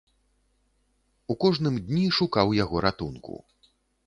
У кожным дні шукаў яго ратунку.